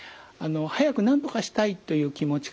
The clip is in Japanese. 早くなんとかしたいという気持ちからですね